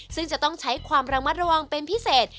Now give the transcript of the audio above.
ซึ่งจะต้องใช้ความระมัดระวังเป็นพิเศษ